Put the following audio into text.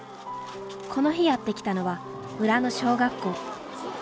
この日やって来たのは村の小学校。